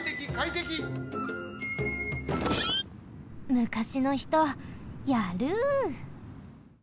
むかしのひとやる！